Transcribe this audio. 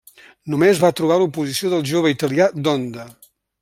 Només va trobar l'oposició del jove italià d'Honda.